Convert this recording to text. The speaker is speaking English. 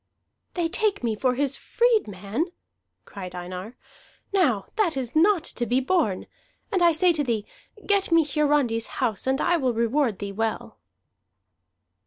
"They take me for his freedman!" cried Einar. "Now that is not to be borne! And I say to thee, get me Hiarandi's house and I will reward thee well."